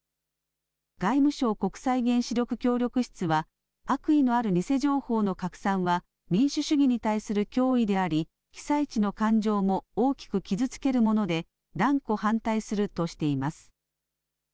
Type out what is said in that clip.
外務省国際原子力協力室は、悪意のある偽情報の拡散は、民主主義に対する脅威であり、被災地の感情も大きく傷つけるもので、断固反対するとしています。